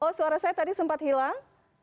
oh suara saya tadi sempat hilang